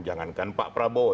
jangankan pak prabowo